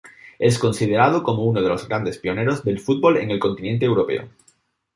Es considerado como uno de los grandes pioneros del fútbol en el continente europeo.